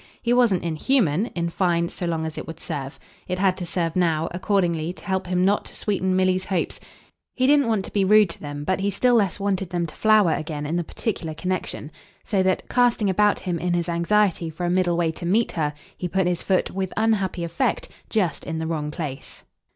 He wasn't inhuman, in fine, so long as it would serve. It had to serve now, accordingly, to help him not to sweeten Milly's hopes. He didn't want to be rude to them, but he still less wanted them to flower again in the particular connexion; so that, casting about him in his anxiety for a middle way to meet her, he put his foot, with unhappy effect, just in the wrong place.